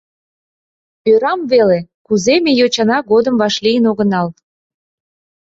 — Ӧрам веле, кузе ме йочана годым вашлийын огынал!